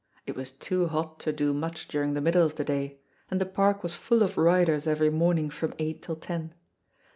It was too hot to do much during the middle of the day, and the Park was full of riders every morning from eight till ten.